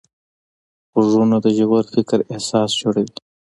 غوږونه د ژور فکر اساس جوړوي